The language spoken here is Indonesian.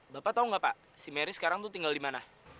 bapak tahu nggak pak si mary sekarang tuh tinggal di mana